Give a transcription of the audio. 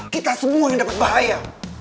kita semua yang dapat bahaya